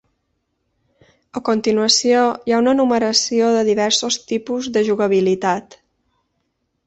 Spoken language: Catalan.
A continuació hi ha una enumeració de diversos tipus de jugabilitat.